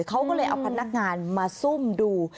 เขาก็เลยเอาพนักงานมาซุ่มดู